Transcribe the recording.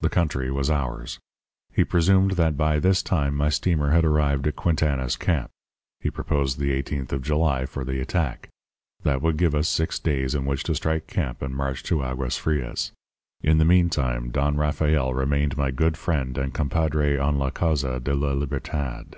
The country was ours. He presumed that by this time my steamer had arrived at Quintana's camp. He proposed the eighteenth of July for the attack. That would give us six days in which to strike camp and march to Aguas Frias. In the meantime Don Rafael remained my good friend and compadre en la causa de la libertad.